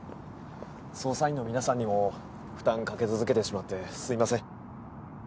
捜査員の皆さんにも負担かけ続けてしまってすいません。